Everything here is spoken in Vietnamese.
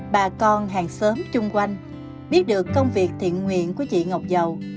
bà con hàng xóm chung quanh biết được công việc thiện nguyện của chị ngọc giao